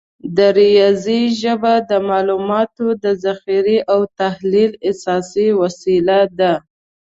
د ریاضي ژبه د معلوماتو د ذخیره او تحلیل اساسي وسیله ده.